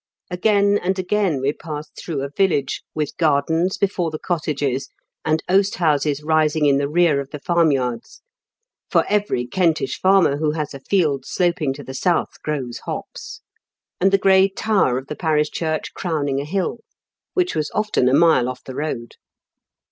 Again and again we passed through a village, with gardens before the cottages, and oast houses rising in the rear of the farm yards— for every Kentish farmer who has a field sloping to the south grows hops — and the gray tower of the parish church crowning a hill, which was often a mile off the road.